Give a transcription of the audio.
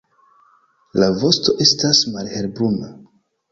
La vosto estas malhelbruna.